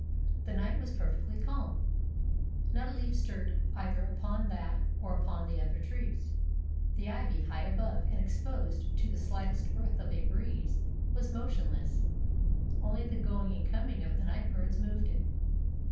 The night was perfectly calm. Not a leaf stirred either upon that or upon the other trees. The ivy, high above and exposed to the slightest breath of a breeze, was motionless; only the going and coming of the night birds moved it.